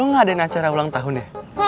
lo gak ada acara ulang tahun ya